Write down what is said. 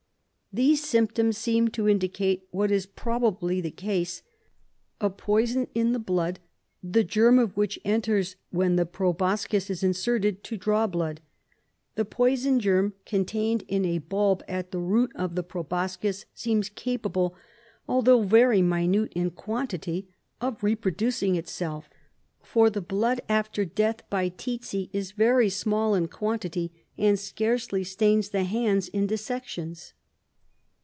"These symptoms seem to indicate what is probably the case — a poison in the blood, the germ of which enters when the proboscis is inserted to draw blood. The poison germ, contained in a bulb at the root of the firoboscis, seems capable, although very minute in quantity, of reproducing itself, for the blood after death by tsetse is very small in quantity, and scarcely stains the hands in dissections.